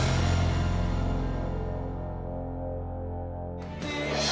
aku mau pulang